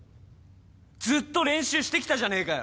ずっと練習してきたじゃねえかよ。